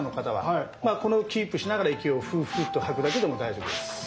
これをキープしながら息をフッフッと吐くだけでも大丈夫です。